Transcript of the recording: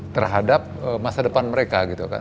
terhadap masa depan mereka gitu kan